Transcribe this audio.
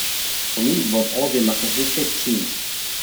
For me, it was all the masochistic scenes.